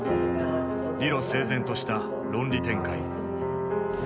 理路整然とした論理展開。